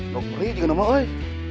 nongri juga nama woy